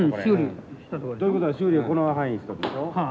ということは修理はこの範囲したでしょ。